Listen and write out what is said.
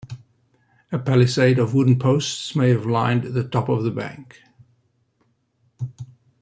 A palisade of wooden posts may have lined the top of the bank.